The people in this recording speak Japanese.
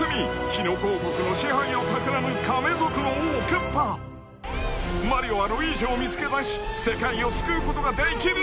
キノコ王国の支配をたくらむカメ族の王クッパ］［マリオはルイージを見つけ出し世界を救うことができるのか？］